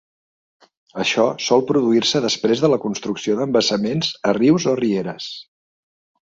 Això sol produir-se després de la construcció d'embassaments a rius o rieres.